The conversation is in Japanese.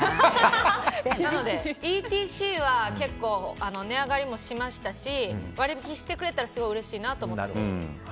なので、ＥＴＣは結構値上がりもしましたし割引してくれたらすごいうれしいなと思って。